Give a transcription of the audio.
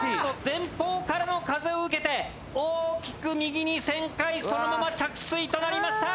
前方からの風を受けて大きく右に旋回そのまま着水となりました。